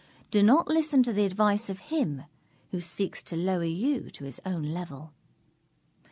_Do not listen to the advice of him who seeks to lower you to his own level.